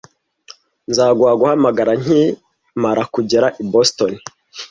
Nzaguha guhamagara nkimara kugera i Boston.